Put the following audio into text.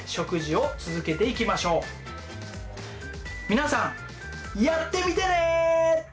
皆さんやってみてね！